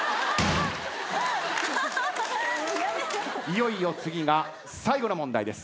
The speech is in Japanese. いよいよ次が最後の問題です。